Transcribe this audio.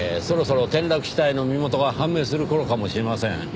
そろそろ転落死体の身元が判明する頃かもしれません。